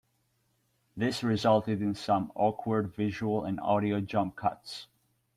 This resulted in some awkward visual and audio jump cuts.